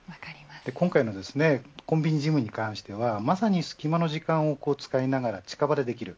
今回のコンビニジムに関してはまさに隙間の時間を使いながら近場でできる。